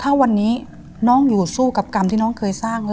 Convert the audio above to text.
ถ้าวันนี้น้องอยู่สู้กับกรรมที่น้องเคยสร้างไว้